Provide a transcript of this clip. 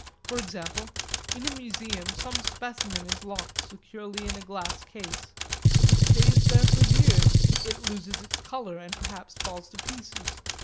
For example, in a museum some specimen is locked securely in a glass case. It stays there for years: it loses its colour, and perhaps falls to pieces.